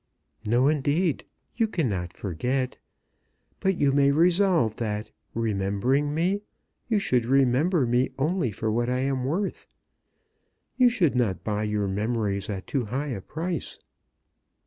"No, indeed; you cannot forget. But you may resolve that, remembering me, you should remember me only for what I am worth. You should not buy your memories at too high a price."